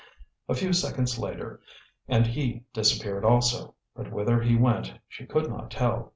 A few seconds later and he disappeared also, but whither he went she could not tell.